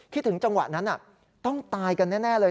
ถึงจังหวะนั้นต้องตายกันแน่เลย